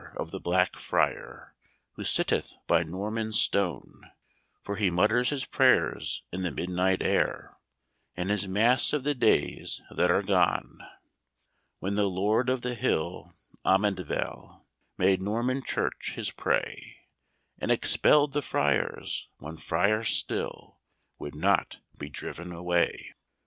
of the Black Friar, Who sitteth by Norman stone, For he mutters his prayers in the midnight air, And his mass of the days that are gone. When the Lord of the Hill, Amundeville, Made Norman Church his prey, And expell'd the friars, one friar still Would not be driven away.